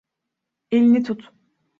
Elini tut.